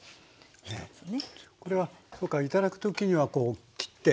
これは今回頂く時にはこう切って？